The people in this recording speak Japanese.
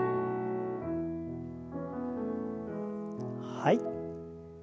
はい。